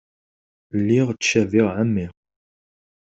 Lliɣ ttcabiɣ ɛemmi.